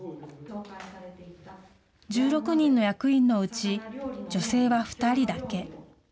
１６人の役員のうち、女性は２人だけ。